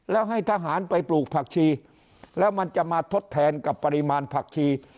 แล้วให้ทหารไปปลูกผักชีแล้วมันจะมาทดแทนกับปริมาณผักชี